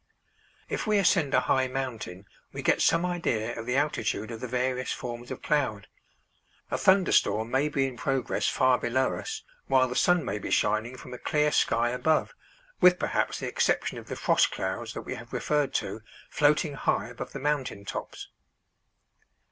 If we ascend a high mountain, we get some idea of the altitude of the various forms of cloud. A thunderstorm may be in progress far below us, while the sun may be shining from a clear sky above, with perhaps the exception of the frost clouds that we have referred to floating high above the mountain tops.